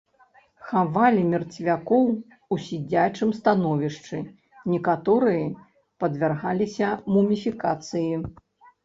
Хавалі мерцвякоў у сядзячым становішчы, некаторыя падвяргаліся муміфікацыі.